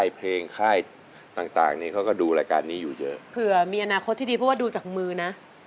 เพื่อมีอนาคตที่ดีเพราะว่าดูจากมือนะ